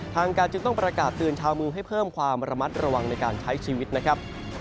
ทางการจึงต้องประกาศเตือนชาวเมืองให้เพิ่มความระมัดระวังในการใช้ชีวิตนะครับ